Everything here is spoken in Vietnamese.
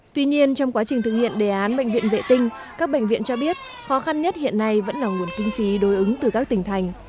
tuy nhiên trong quá trình thực hiện đề án bệnh viện vệ tinh các bệnh viện cho biết khó khăn nhất hiện nay vẫn là nguồn kinh phí đối ứng từ các tỉnh thành